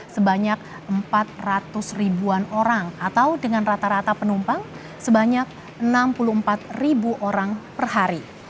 sebanyak empat ratus ribuan orang atau dengan rata rata penumpang sebanyak enam puluh empat ribu orang per hari